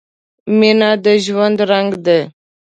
• مینه د ژوند رنګ دی.